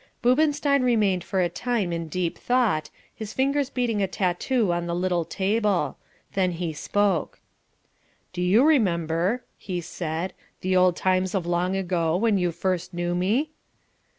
Boobenstein remained for a time in deep thought, his fingers beating a tattoo on the little table. Then he spoke. "Do you remember," he said, "the old times of long ago when you first knew me?"